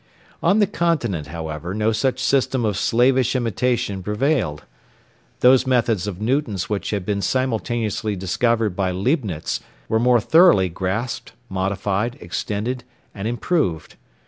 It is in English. On the Continent, however, no such system of slavish imitation prevailed. Those methods of Newton's which had been simultaneously discovered by Leibnitz were more thoroughly grasped, modified, extended, and improved.